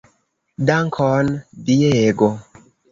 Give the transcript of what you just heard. Dankon Diego!